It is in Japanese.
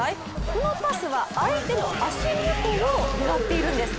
このパスは相手の足元を狙っているんです。